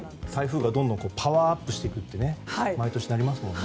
台風がどんどんパワーアップしていくと毎年なりますもんね。